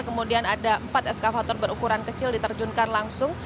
kemudian ada empat eskavator berukuran kecil diterjunkan langsung